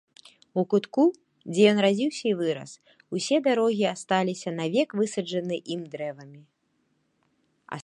У кутку, дзе ён радзіўся і вырас, усе дарогі асталіся навек высаджаны ім дрэвамі.